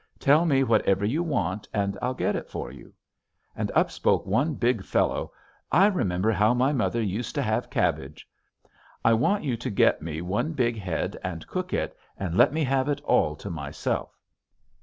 Tell me whatever you want and I'll get it for you." And up spoke one big fellow, "I remember how my mother used to have cabbage. I want you to get me one big head and cook it and let me have it all to myself!"